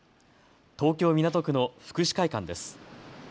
東京港区の福祉会館です。